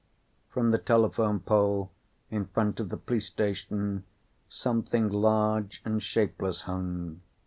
From the telephone pole in front of the police station, something large and shapeless hung.